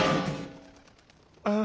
ああ。